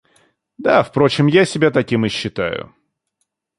Да, впрочем, я себя таким и считаю.